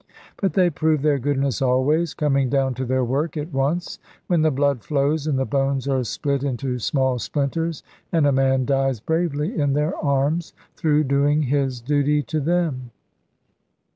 But they prove their goodness always, coming down to their work at once, when the blood flows, and the bones are split into small splinters, and a man dies bravely in their arms, through doing his duty to them.